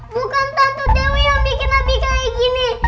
bukan tante dewi yang bikin hati kayak gini